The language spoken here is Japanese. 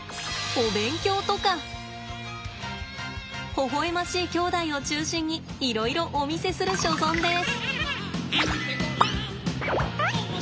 ほほ笑ましい兄弟を中心にいろいろお見せする所存です。